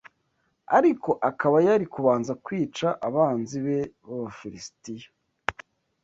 ariko akaba yari kubanza kwica abanzi be b’Abafilisitiya